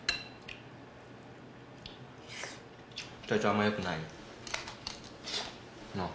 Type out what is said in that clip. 体調あんまよくないん？なあ？